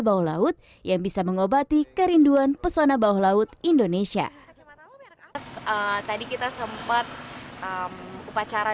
bawah laut yang bisa mengobati kerinduan pesona bawah laut indonesia tadi kita sempat upacara